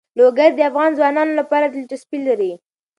لوگر د افغان ځوانانو لپاره دلچسپي لري.